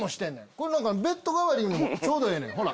これベッド代わりにもちょうどええねんほら。